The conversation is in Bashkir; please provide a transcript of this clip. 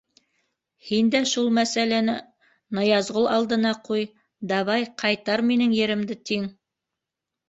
Һин дә шул мәсьәләне Ныязғол алдына ҡуй, давай, ҡайтар минең еремде, тиң.